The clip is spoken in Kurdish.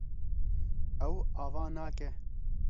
Ew ava nake.